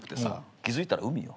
気付いたら海よ。